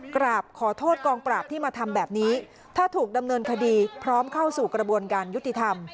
กราบขอโทษกองปราบที่มาทำแบบนี้ถ้าถูกดำเนินคดีพร้อมเข้าสู่กระบวนการยุติธรรม